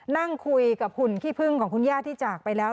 นั่งคุยกับหุ่นขี้พึ่งของคุณย่าที่จากไปแล้ว